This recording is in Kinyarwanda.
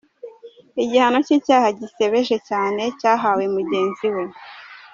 Igihano cy’icyaha gisebeje cyane cyahawe mugenzi we,.